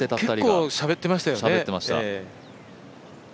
結構しゃべってましたよ。